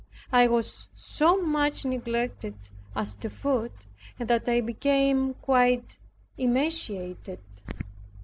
I was so much neglected, as to food, that I became quite emaciated.